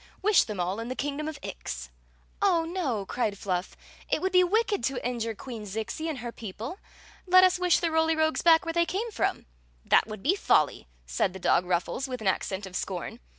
Wish them all in the kingdom of Ix." " Oh, no !" cried Fluff ;" it would be wicked to injure Queen Zixi and her people. Let us wish the Roly Rogues back where they came from." "That would be folly!" said the dog Ruffles, with an accent of scorn.